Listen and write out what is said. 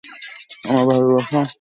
আমার ভালবাসা, আমি যদি ফিরে যেতে পারি।